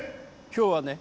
今日はね